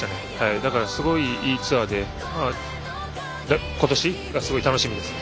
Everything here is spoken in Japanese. だから、すごいいいツアーで今年がすごい楽しみです。